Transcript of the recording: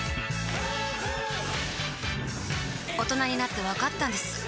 大人になってわかったんです